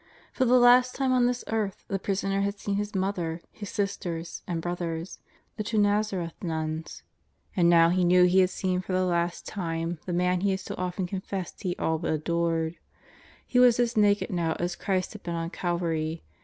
For the last time on this earth the prisoner had seen his mother, his sisters and brothers, the two Nazareth nuns; and now he knew he had seen for the last time the man he had so often confessed he all but adored. He was as naked now as Christ had been on Calvary